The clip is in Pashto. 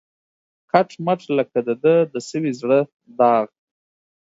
کټ مټ لکه د ده د سوي زړه داغ